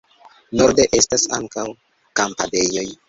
Norde estas ankaŭ kampadejoj.